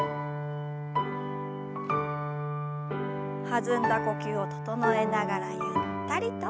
弾んだ呼吸を整えながらゆったりと。